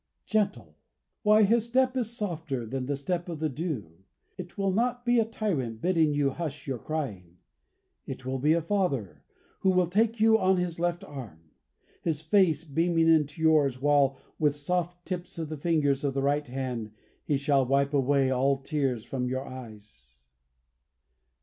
Gentle! Why, His step is softer than the step of the dew. It will not be a tyrant bidding you hush your crying. It will be a Father who will take you on His left arm, His face beaming into yours, while with the soft tips of the fingers of the right hand He shall wipe away all tears from your eyes."